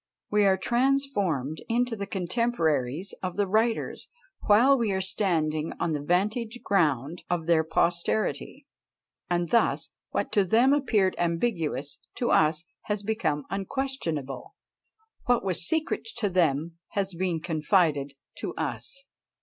We are transformed into the contemporaries of the writers, while we are standing on the "vantage ground" of their posterity; and thus what to them appeared ambiguous, to us has become unquestionable; what was secret to them has been confided to us.